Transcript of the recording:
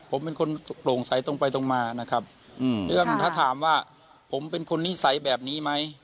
ผมเป็นคนโปร่งใสตรงไปตรงมานะครับเรื่องถ้าถามว่าผมเป็นคนนิสัยแบบนี้ไหม